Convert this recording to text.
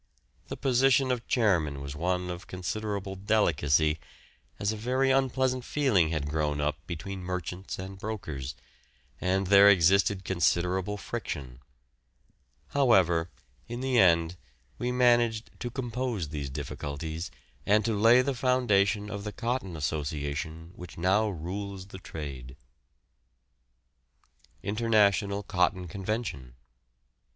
The position of chairman was one of considerable delicacy, as a very unpleasant feeling had grown up between merchants and brokers, and there existed considerable friction; however, in the end we managed to compose these difficulties and to lay the foundation of the Cotton Association which now rules the trade. INTERNATIONAL COTTON CONVENTION.